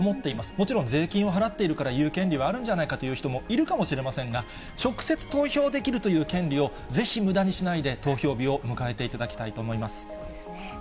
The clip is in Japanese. もちろん税金を払っているから、言う権利はあるんじゃないかという人もいるかもしれませんが、直接投票できるという権利をぜひむだにしないで、投票日を迎えてそうですね。